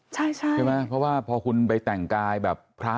ใช่ใช่ไหมเพราะว่าพอคุณไปแต่งกายแบบพระ